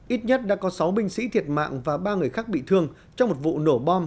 ít nhất đã có sáu binh sĩ thiệt mạng và ba người khác bị thương trong một vụ nổ bom